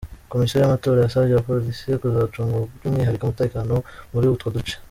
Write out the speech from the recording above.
Komisiyo y’Amatora yasabye Polisi kuzacunga by’umwihariko umutekano muri utwo duce.